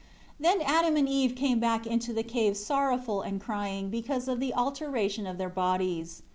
7 Then Adam and Eve came back into the cave sorrowful and crying because of the alteration of their bodies.